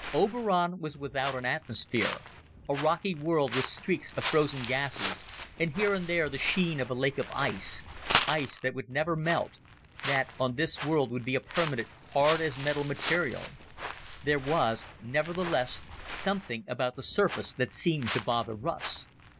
Oberon was without an atmosphere, a rocky world with streaks of frozen gases, and here and there the sheen of a lake of ice ice that would never melt that on this world would be a permanent, hard as metal material. There was, nonetheless, something about the surface that seemed to bother Russ.